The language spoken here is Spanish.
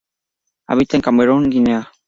Habita en Camerún y Guinea.